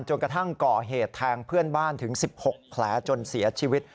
กระทั่งก่อเหตุแทงเพื่อนบ้านถึง๑๖แผลจนเสียชีวิต